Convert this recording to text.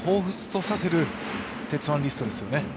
彷彿とさせる鉄腕リストですよね。